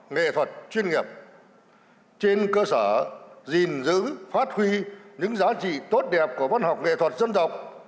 nghệ thuật chuyên nghiệp trên cơ sở gìn giữ phát huy những giá trị tốt đẹp của văn học nghệ thuật dân tộc